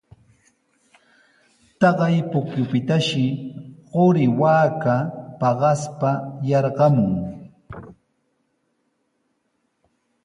Taqay pukyupitashi quri waaka paqaspa yarqamun.